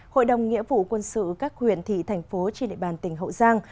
hội đồng nghĩa vụ quân sự các huyện thị thành phố trên địa bàn tỉnh hậu giang